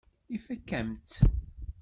Ifakk-am-tt.